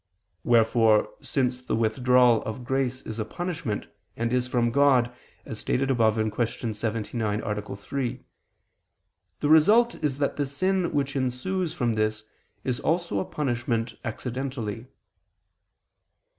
Wherefore since the withdrawal of grace is a punishment, and is from God, as stated above (Q. 79, A. 3), the result is that the sin which ensues from this is also a punishment accidentally.